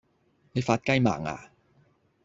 你發雞盲呀